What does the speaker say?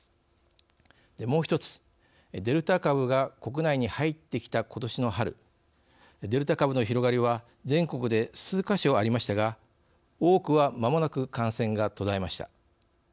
もう１つデルタ株が国内に入ってきたことしの春デルタ株の広がりは全国で数か所ありましたが多くは間もなく感染が途絶えました。